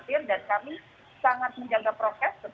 itu bahkan kami juga menyediakan untuk maskernya tersebut